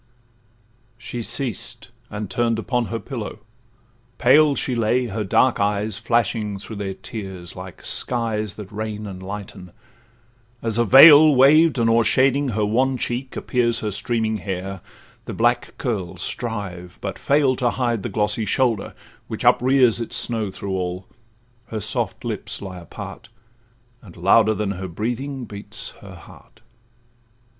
She ceased, and turn'd upon her pillow; pale She lay, her dark eyes flashing through their tears, Like skies that rain and lighten; as a veil, Waved and o'ershading her wan cheek, appears Her streaming hair; the black curls strive, but fail, To hide the glossy shoulder, which uprears Its snow through all;—her soft lips lie apart, And louder than her breathing beats her heart.